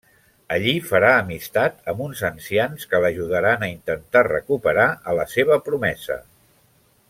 Allí farà amistat amb uns ancians que l'ajudaran a intentar recuperar a la seva promesa.